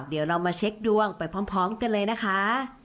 เดี๋ยวเรามาเช็คดวงไปพร้อมกันเลยนะคะ